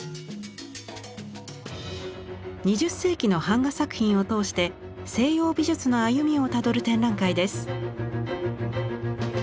２０世紀の版画作品を通して西洋美術の歩みをたどる展覧会です。